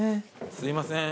すいません